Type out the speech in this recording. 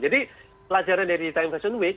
jadi pelajaran dari c time fashion week